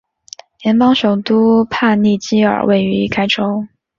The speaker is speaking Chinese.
联邦首都帕利基尔位于该州。